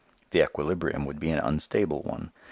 The equilibrium would be an unstable one.